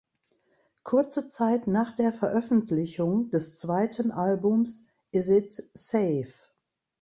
Kurze Zeit nach der Veröffentlichung des zweiten Albums "Is It Safe?